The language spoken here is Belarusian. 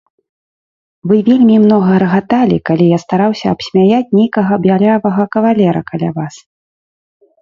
Вы вельмі многа рагаталі, калі я стараўся абсмяяць нейкага бялявага кавалера каля вас.